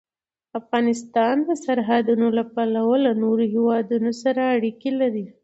افغانستان د سرحدونه له پلوه له نورو هېوادونو سره اړیکې لري.